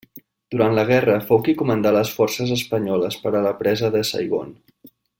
Durant la guerra fou qui comandà les forces espanyoles per a la presa de Saigon.